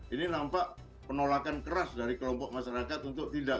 ini nampak penolakan keras dari kelompok masyarakat untuk tidak